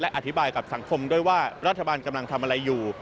อธิบายกับสังคมด้วยว่ารัฐบาลกำลังทำอะไรอยู่